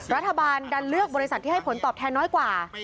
รัฐบาลดันเลือกบริษัทที่ให้ผลตอบแทนน้อยกว่า